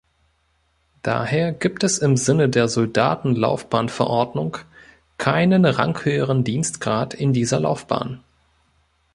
Daher gibt es im Sinne der Soldatenlaufbahnverordnung keinen ranghöheren Dienstgrad in dieser Laufbahn.